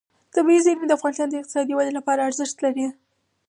طبیعي زیرمې د افغانستان د اقتصادي ودې لپاره ارزښت لري.